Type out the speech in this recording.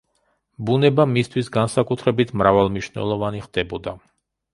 ბუნება მისთვის განსაკუთრებით მრავალმნიშვნელოვანი ხდებოდა.